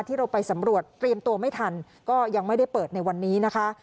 ที่เราไปสำรวจเตรียมตัวไม่ทันก็ยังไม่ได้เปิดในวันนี้นะคะ